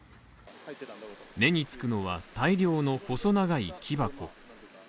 目につくのは、大量の細長い木箱。